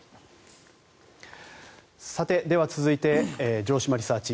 続いて城島リサーチ！